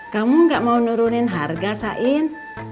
kamu tidak mau menurunkan harga sain